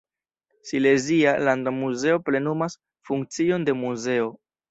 Silezia landa muzeo plenumas funkcion de muzeo.